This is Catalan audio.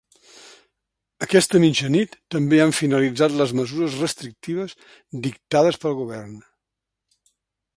Aquesta mitjanit també han finalitzat les mesures restrictives dictades pel govern.